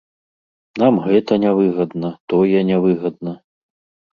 Нам гэта не выгадна, тое не выгадна.